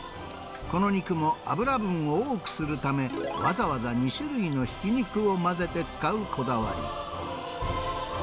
この肉も脂分を多くするため、わざわざ２種類のひき肉を混ぜて使うこだわり。